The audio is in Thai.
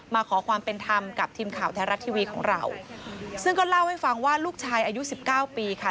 มาขอความเป็นธรรมกับทีมข่าวแท้รัฐทีวีของเราซึ่งก็เล่าให้ฟังว่าลูกชายอายุสิบเก้าปีค่ะ